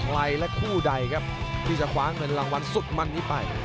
ใครและคู่ใดครับที่จะคว้าเงินรางวัลสุดมันนี้ไป